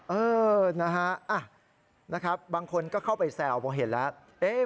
เออนะฮะบางคนก็เข้าไปแซวพอเห็นแล้ว